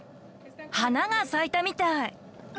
花が咲いたみたい！